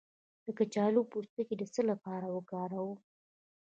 د کچالو پوستکی د څه لپاره وکاروم؟